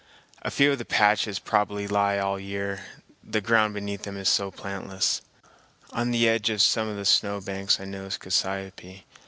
A few of the patches probably lie all the year, the ground beneath them is so plantless. On the edge of some of the snow banks I noticed cassiope.